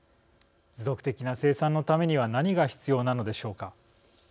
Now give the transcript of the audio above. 持続的な生産のためには何が必要なのでしょうか。